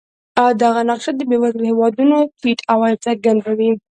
دغه نقشه د بېوزلو هېوادونو ټیټ عواید څرګندوي.